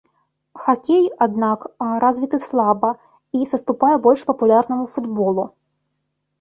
Хакей, аднак, развіты слаба і саступае больш папулярнаму футболу.